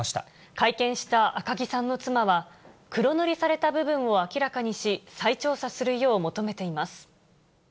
会見した赤木さんの妻は、黒塗りされた部分を明らかにし、再調査するよう求めています。